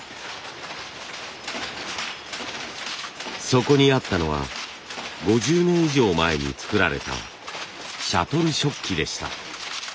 そこにあったのは５０年以上前に作られたシャトル織機でした。